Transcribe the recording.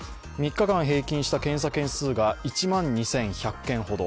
３日間平均した検査件数が１万１８００件ほど。